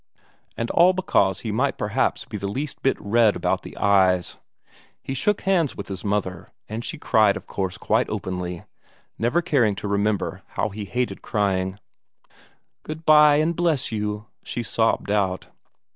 and all because he might perhaps be the least bit red about the eyes. He shook hands with his mother, and she cried of course quite openly, never caring to remember how he hated crying." Goo ood bye and bl bless you!" she sobbed out.